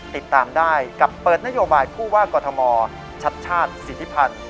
ติดตามได้กับเปิดนโยบายผู้ว่ากอทมชัดชาติสิทธิพันธ์